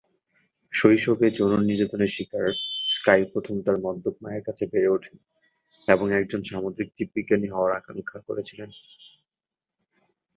শৈশবে যৌন নির্যাতনের শিকার, স্কাই প্রথম তার মদ্যপ মায়ের কাছে বেড়ে ওঠেন এবং একজন সামুদ্রিক জীববিজ্ঞানী হওয়ার আকাঙ্ক্ষা করেছিলেন।